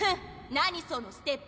なにそのステップ。